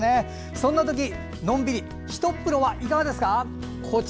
そんなとき、のんびりひとっ風呂はいかがですか？